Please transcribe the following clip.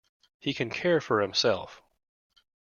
He can care for himself.